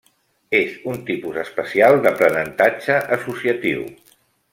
És un tipus especial d'aprenentatge associatiu.